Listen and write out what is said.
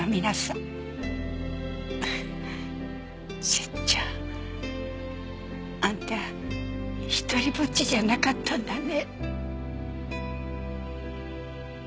セッちゃんあんた独りぼっちじゃなかったんだね。